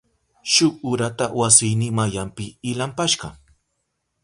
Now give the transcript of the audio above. Shuk urata wasiyni mayanpi ilampashka.